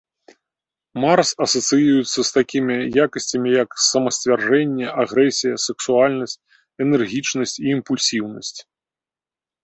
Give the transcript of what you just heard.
Марс асацыюецца з такімі якасцямі, як самасцвярджэнне, агрэсія, сексуальнасць, энергічнасць і імпульсіўнасць.